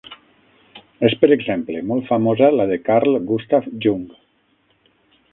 És, per exemple, molt famosa la de Carl Gustav Jung.